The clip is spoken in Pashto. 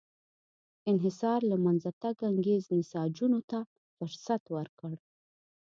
انحصار له منځه تګ انګرېز نساجانو ته فرصت ورکړ.